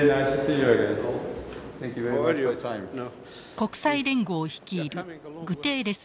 国際連合を率いるグテーレス事務総長。